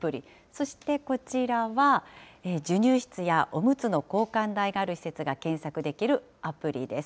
そしてこちらは、授乳室やおむつの交換台がある施設が検索できるアプリです。